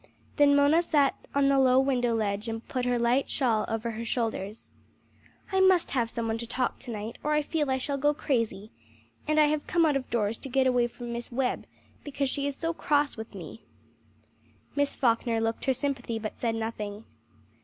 Then Mona sat on the low window ledge and put her light shawl over her shoulders. "I must have some one to talk to to night, or I feel I shall go crazy, and I have come out of doors to get away from Miss Webb, because she is so cross with me." Miss Falkner looked her sympathy but said nothing.